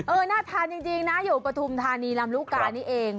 เออน่าทันจริงน้อยอยู่ปฐุมทานีลำรุกานนี่เอง